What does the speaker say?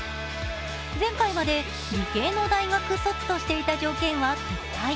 前回まで、理系の大学卒としていた条件は撤廃。